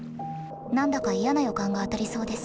何だか嫌な予感が当たりそうです。